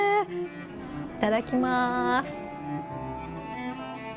いただきます。